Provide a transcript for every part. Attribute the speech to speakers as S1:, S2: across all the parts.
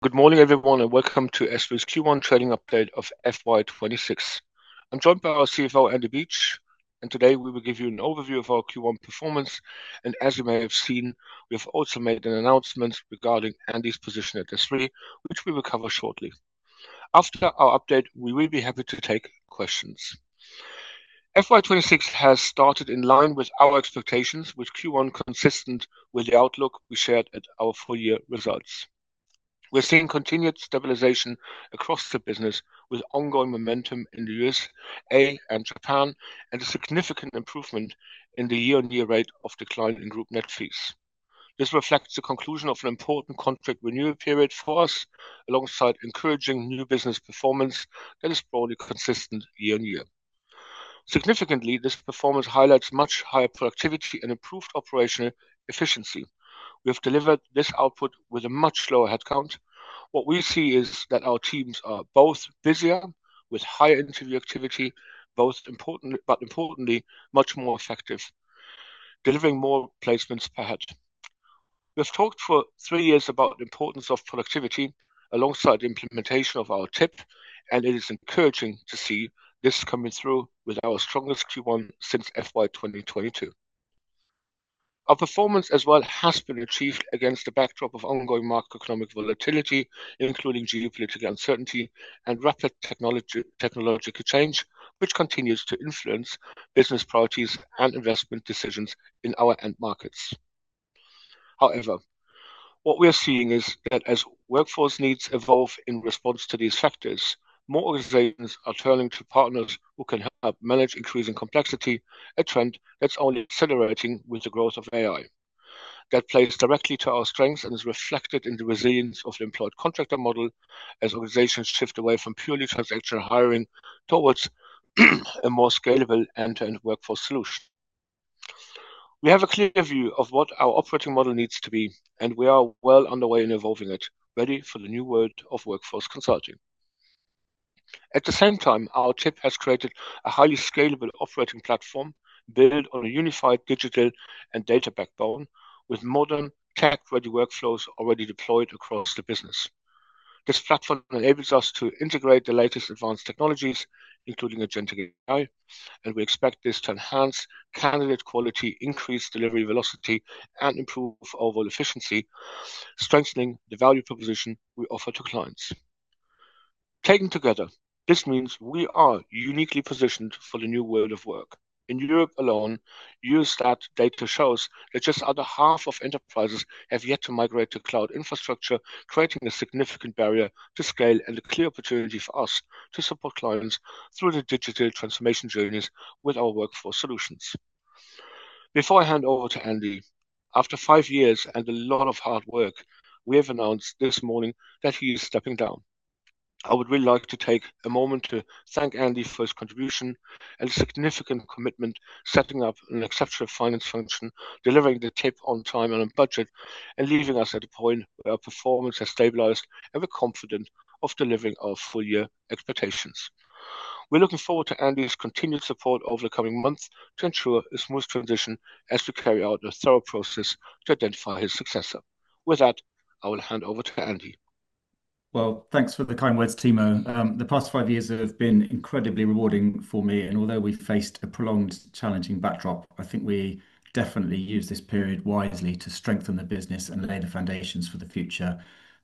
S1: Good morning everyone, and welcome to SThree's Q1 trading update of FY 2026. I'm joined by our CFO, Andy Beech, and today we will give you an overview of our Q1 performance. As you may have seen, we have also made an announcement regarding Andy's position at SThree, which we will cover shortly. After our update, we will be happy to take questions. FY 2026 has started in line with our expectations with Q1 consistent with the outlook we shared at our full year results. We're seeing continued stabilization across the business with ongoing momentum in the USA and Japan, and a significant improvement in the year-on-year rate of decline in group net fees. This reflects the conclusion of an important contract renewal period for us, alongside encouraging new business performance that is broadly consistent year-on-year. Significantly, this performance highlights much higher productivity and improved operational efficiency. We have delivered this output with a much lower headcount. What we see is that our teams are both busier with higher interview activity, both important, but importantly, much more effective, delivering more placements per head. We've talked for three years about the importance of productivity alongside the implementation of our TIP, and it is encouraging to see this coming through with our strongest Q1 since FY 2022. Our performance as well has been achieved against a backdrop of ongoing macroeconomic volatility, including geopolitical uncertainty and rapid technological change, which continues to influence business priorities and investment decisions in our end markets. However, what we are seeing is that as workforce needs evolve in response to these factors, more organizations are turning to partners who can help manage increasing complexity, a trend that's only accelerating with the growth of AI. That plays directly to our strengths and is reflected in the resilience of the employed contractor model as organizations shift away from purely transactional hiring towards a more scalable end-to-end workforce solution. We have a clear view of what our operating model needs to be, and we are well underway in evolving it, ready for the new world of workforce consulting. At the same time, our TIP has created a highly scalable operating platform built on a unified digital and data backbone with modern tech-ready workflows already deployed across the business. This platform enables us to integrate the latest advanced technologies, including agentic AI, and we expect this to enhance candidate quality, increase delivery velocity, and improve overall efficiency, strengthening the value proposition we offer to clients. Taken together, this means we are uniquely positioned for the new world of work. In Europe alone, Eurostat data shows that just under half of enterprises have yet to migrate to cloud infrastructure, creating a significant barrier to scale and a clear opportunity for us to support clients through the digital transformation journeys with our workforce solutions. Before I hand over to Andy, after five years and a lot of hard work, we have announced this morning that he is stepping down. I would really like to take a moment to thank Andy for his contribution and significant commitment, setting up an exceptional finance function, delivering the TIP on time and on budget, and leaving us at a point where our performance has stabilized, and we're confident of delivering our full year expectations. We're looking forward to Andy's continued support over the coming months to ensure a smooth transition as we carry out a thorough process to identify his successor. With that, I will hand over to Andy.
S2: Well, thanks for the kind words, Timo. The past five years have been incredibly rewarding for me, and although we faced a prolonged challenging backdrop, I think we definitely used this period wisely to strengthen the business and lay the foundations for the future.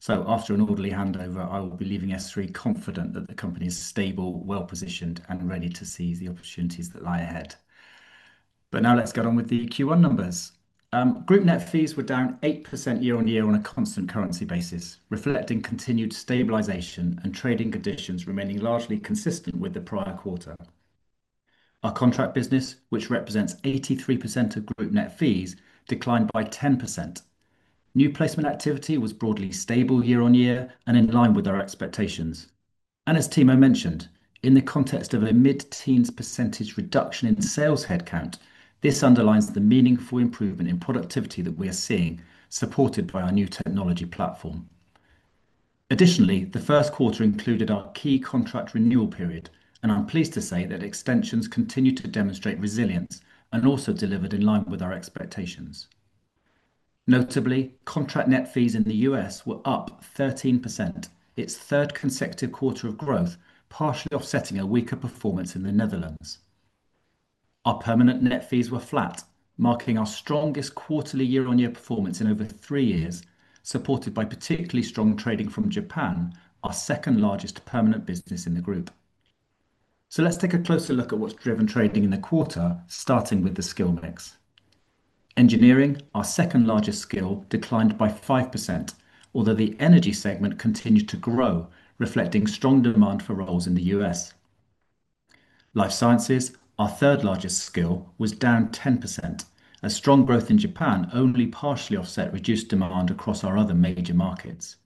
S2: After an orderly handover, I will be leaving SThree confident that the company is stable, well-positioned, and ready to seize the opportunities that lie ahead. Now let's get on with the Q1 numbers. Group net fees were down 8% year-on-year on a constant currency basis, reflecting continued stabilization and trading conditions remaining largely consistent with the prior quarter. Our contract business, which represents 83% of group net fees, declined by 10%. New placement activity was broadly stable year-on-year and in line with our expectations. As Timo mentioned, in the context of a mid-teens percentage reduction in sales headcount, this underlines the meaningful improvement in productivity that we are seeing, supported by our new technology platform. Additionally, the first quarter included our key contract renewal period, and I'm pleased to say that extensions continued to demonstrate resilience and also delivered in line with our expectations. Notably, contract net fees in the U.S. were up 13%, its third consecutive quarter of growth, partially offsetting a weaker performance in the Netherlands. Our permanent net fees were flat, marking our strongest quarterly year-on-year performance in over three years, supported by particularly strong trading from Japan, our second-largest permanent business in the group. Let's take a closer look at what's driven trading in the quarter, starting with the skill mix. Engineering, our second-largest skill, declined by 5%, although the energy segment continued to grow, reflecting strong demand for roles in the U.S. Life sciences, our third-largest skill, was down 10%. A strong growth in Japan only partially offset reduced demand across our other major markets.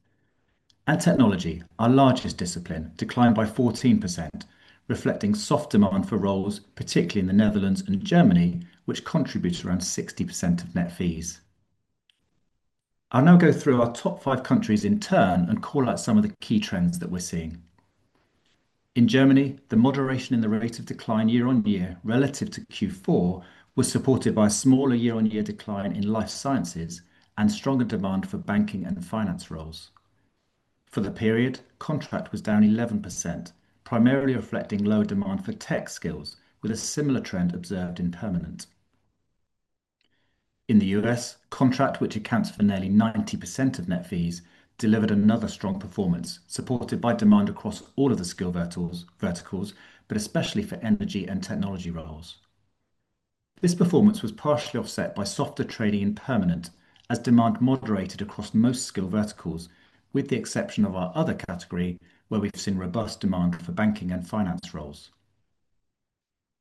S2: Technology, our largest discipline, declined by 14%, reflecting soft demand for roles, particularly in the Netherlands and Germany, which contributes around 60% of net fees. I'll now go through our top five countries in turn and call out some of the key trends that we're seeing. In Germany, the moderation in the rate of decline year-on-year relative to Q4 was supported by a smaller year-on-year decline in life sciences and stronger demand for banking and finance roles. For the period, contract was down 11%, primarily reflecting lower demand for tech skills, with a similar trend observed in permanent. In the U.S., contract, which accounts for nearly 90% of net fees, delivered another strong performance, supported by demand across all of the skill verticals, but especially for energy and technology roles. This performance was partially offset by softer trading in permanent as demand moderated across most skill verticals, with the exception of our other category where we've seen robust demand for Banking & Finance roles.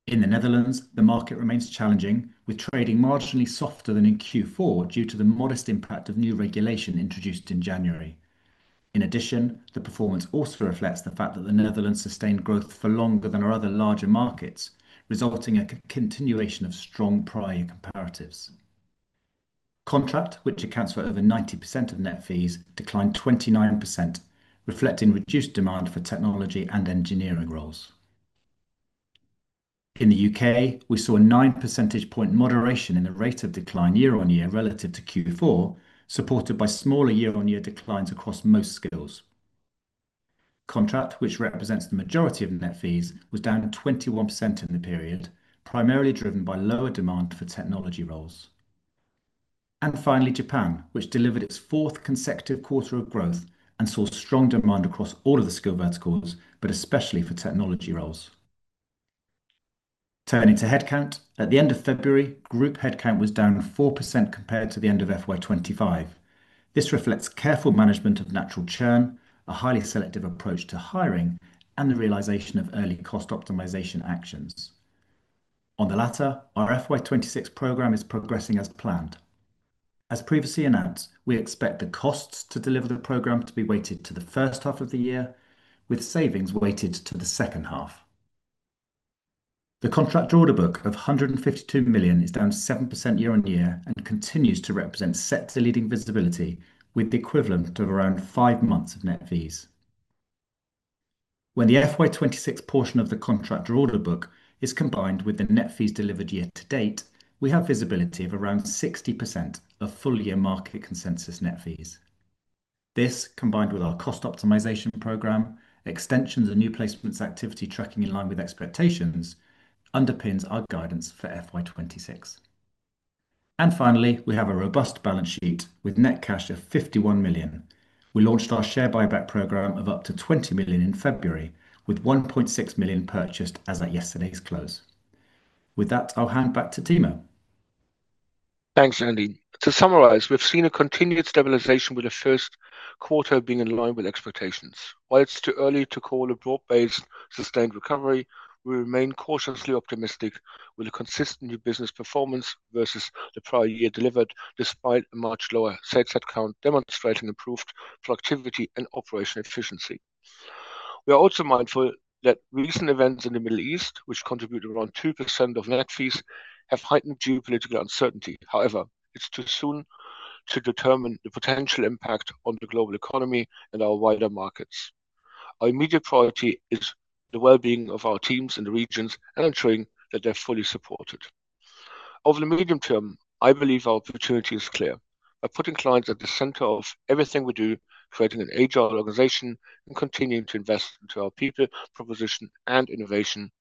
S2: In the Netherlands, the market remains challenging, with trading marginally softer than in Q4 due to the modest impact of new regulation introduced in January. In addition, the performance also reflects the fact that the Netherlands sustained growth for longer than our other larger markets, resulting in a continuation of strong prior comparatives. Contract, which accounts for over 90% of net fees, declined 29%, reflecting reduced demand for technology and engineering roles. In the UK, we saw a 9 percentage point moderation in the rate of decline year-on-year relative to Q4, supported by smaller year-on-year declines across most skills. Contract, which represents the majority of net fees, was down 21% in the period, primarily driven by lower demand for technology roles. Finally, Japan, which delivered its fourth consecutive quarter of growth and saw strong demand across all of the skill verticals, but especially for technology roles. Turning to headcount. At the end of February, group headcount was down 4% compared to the end of FY 2025. This reflects careful management of natural churn, a highly selective approach to hiring, and the realization of early cost optimization actions. On the latter, our FY 2026 program is progressing as planned. As previously announced, we expect the costs to deliver the program to be weighted to the first half of the year, with savings weighted to the second half. The contractor order book of 152 million is down 7% year-on-year and continues to represent sector-leading visibility with the equivalent of around five months of net fees. When the FY 2026 portion of the contractor order book is combined with the net fees delivered year-to-date, we have visibility of around 60% of full-year market consensus net fees. This, combined with our cost optimization program, extensions and new placements activity tracking in line with expectations, underpins our guidance for FY 2026. Finally, we have a robust balance sheet with net cash of 51 million. We launched our share buyback program of up to 20 million in February, with 1.6 million purchased as at yesterday's close. With that, I'll hand back to Timo.
S1: Thanks, Andy. To summarize, we've seen a continued stabilization with the first quarter being in line with expectations. While it's too early to call a broad-based sustained recovery, we remain cautiously optimistic with a consistent new business performance versus the prior year delivered despite a much lower sales headcount demonstrating improved productivity and operational efficiency. We are also mindful that recent events in the Middle East, which contribute around 2% of net fees, have heightened geopolitical uncertainty. However, it's too soon to determine the potential impact on the global economy and our wider markets. Our immediate priority is the well-being of our teams in the regions and ensuring that they're fully supported. Over the medium term, I believe our opportunity is clear. By putting clients at the center of everything we do, creating an agile organization and continuing to invest into our people, proposition, and innovation,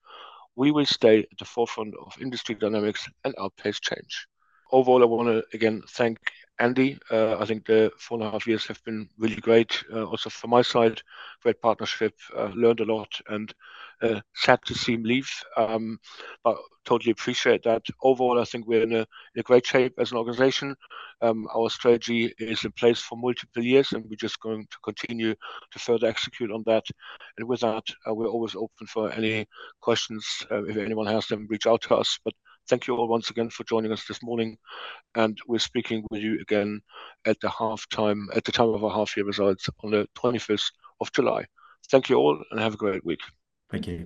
S1: we will stay at the forefront of industry dynamics and outpace change. Overall, I want to again thank Andy. I think the four and a half years have been really great. Also from my side, great partnership. Learned a lot and, sad to see him leave. But totally appreciate that. Overall, I think we're in a great shape as an organization. Our strategy is in place for multiple years, and we're just going to continue to further execute on that. With that, we're always open for any questions. If anyone has them, reach out to us. Thank you all once again for joining us this morning, and we're speaking with you again at the time of our half year results on the 21st of July. Thank you all and have a great week.
S2: Thank you.